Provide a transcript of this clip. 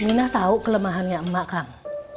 minah tau kelemahannya emak kang